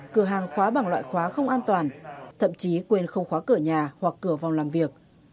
cửa hàng khóa bằng loại khóa không an toàn thậm chí quên không khóa cửa nhà hoặc cửa vòng làm việc